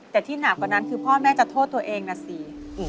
แต่ที่หนักกว่านั้นคือพ่อแม่จะโทษตัวเองนะสิ